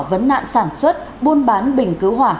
vấn nạn sản xuất buôn bán bình cứu hỏa